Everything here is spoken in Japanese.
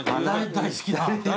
大好きな。